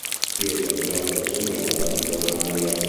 Chiesa di Nostra Signora di Bonaria